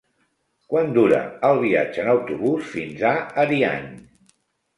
Quant dura el viatge en autobús fins a Ariany?